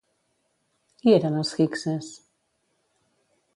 Qui eren els hikses?